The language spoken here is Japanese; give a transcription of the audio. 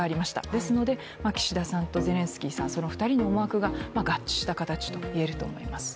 ですので岸田さんとゼレンスキーさん、２人の思惑が合致した形といえると思います。